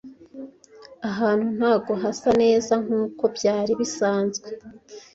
Ahantu ntago hasa neza nkuko byari bisanzwe.